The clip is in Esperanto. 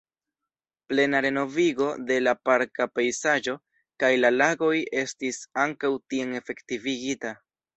Plena renovigo de la parka pejzaĝo kaj la lagoj estis ankaŭ tiam efektivigita.